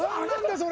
それ。